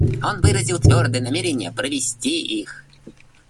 Он выразил твердое намерение провести их.